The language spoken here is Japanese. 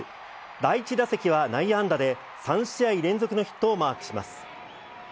第１打席は内野安打で、３試合連続のヒットをマークします。